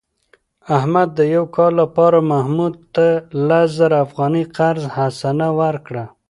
احمد د یو کال لپاره محمود ته لس زره افغانۍ قرض حسنه ورکړه.